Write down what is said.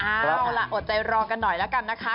เอาล่ะอดใจรอกันหน่อยแล้วกันนะคะ